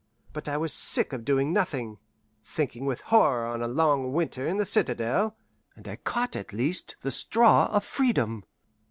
But I was sick of doing nothing, thinking with horror on a long winter in the citadel, and I caught at the least straw of freedom.